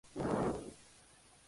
No más "música falsa".